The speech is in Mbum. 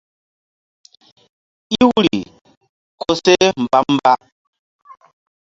Iwri koseh mbamba.